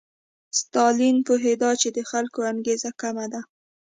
ستالین پوهېده چې د خلکو انګېزه کمه ده.